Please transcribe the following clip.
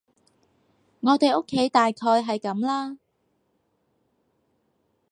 我哋屋企大概係噉啦